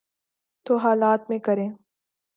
تو حالات میں کریں۔